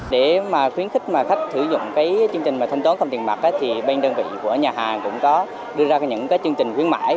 để khuyến khích khách sử dụng chương trình thanh toán không tiền mặt thì bên đơn vị của nhà hàng cũng có đưa ra những chương trình khuyến mãi